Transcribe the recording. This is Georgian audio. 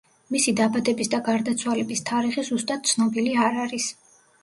მისი დაბადების და გარდაცვალების თარიღი ზუსტად ცნობილი არ არის.